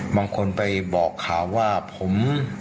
บางคนไปบอกข่าวว่าผม